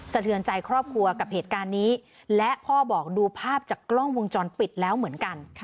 เทือนใจครอบครัวกับเหตุการณ์นี้และพ่อบอกดูภาพจากกล้องวงจรปิดแล้วเหมือนกัน